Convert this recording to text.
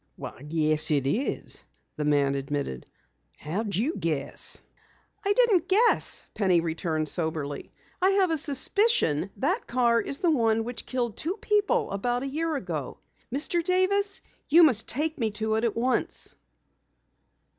"Yes, it is," the man admitted. "How did you guess?" "I didn't guess," Penny returned soberly. "I have a suspicion that car is the one which killed two people about a year ago. Mr. Davis, you must take me to it at once!"